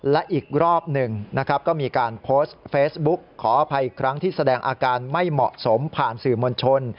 และอีกรอบหนึ่งนะครับก็มีการโพสต์เฟซบุ๊กขออภัยอีกครั้งที่แสดงอาการไม่เหมาะสมผ่านสื่อมวลชน